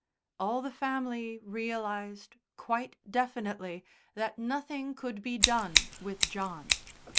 All the family realised quite definitely that nothing could be done with John.